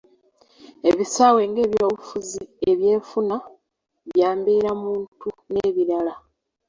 Ebisaawe nga ebyobufuzi, ebyenfuna, bya mbeerabantu n'ebirala.